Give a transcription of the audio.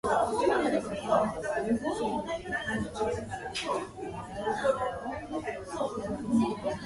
Later in his stay, he drove across the Brooklyn Bridge.